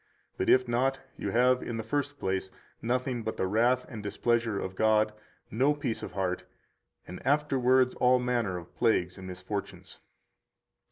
But if not, you have, in the first place, nothing but the wrath and displeasure of God, no peace of heart, and afterwards all manner of plagues and misfortunes.